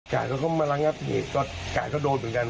จากก็เข้ามาระงับเหตุก็จากก็โดนเหมือนกัน